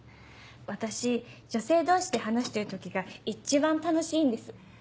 私女性同士で話してる時が一番楽しいんです。